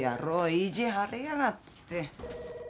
☎意地張りやがって。